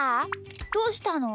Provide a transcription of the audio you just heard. どうしたの？